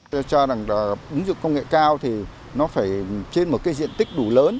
tôi cho rằng ứng dụng công nghệ cao thì nó phải trên một cái diện tích đủ lớn